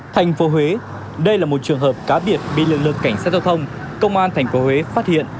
thành phố huế đây là một trường hợp cá biệt bị lực lượng cảnh sát giao thông công an tp huế phát hiện